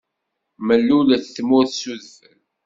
Mellulet tmurt s udfel.